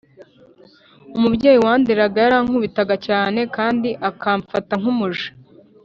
Umubyeyi wanderaga yarankubitaga cyane kandi akamfata nk’umuja